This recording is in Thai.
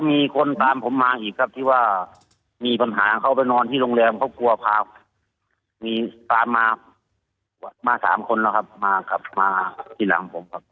มีตามมา๓คนแล้วครับมาขับมาที่หลังผมครับ